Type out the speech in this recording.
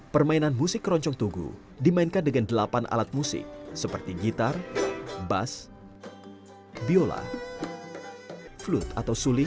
permainan musik keroncong tugu dimainkan dengan delapan alat musik seperti gitar bas biola flut atau sulis